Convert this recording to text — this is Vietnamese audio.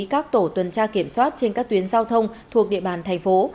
các tổ tuần tra kiểm soát trên các tuyến giao thông thuộc địa bàn thành phố